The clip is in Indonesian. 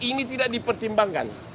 ini tidak dipertimbangkan